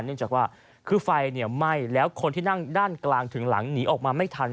เนื่องจากว่าคือไฟไหม้แล้วคนที่นั่งด้านกลางถึงหลังหนีออกมาไม่ทัน